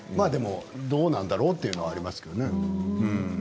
でもどうなんだろうというのはありますけれどね。